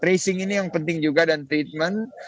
tracing ini yang penting juga dan treatment